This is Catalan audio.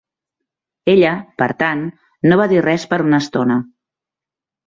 Ella, per tant, no va dir res per una estona.